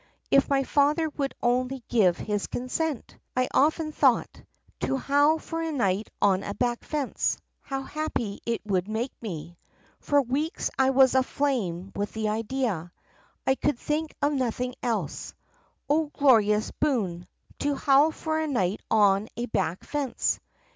If my father would only give his consent! I often thought. To howl for a night on a back fence! How happy it would make me! For weeks I was aflame with the idea! I could think of nothing else. O glorious boon !— to howl for a night on a back fence